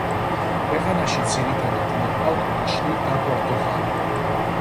ქვეყანაში ძირითადად მოჰყავთ ვაშლი და ფორთოხალი.